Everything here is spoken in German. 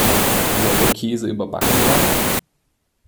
Soll der Käse überbacken werden?